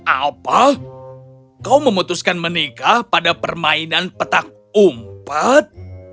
apa kau memutuskan menikah pada permainan petak umpet